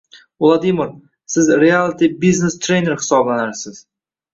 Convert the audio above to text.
— Vladimir, siz “reality biznes-trener” hisoblanasiz.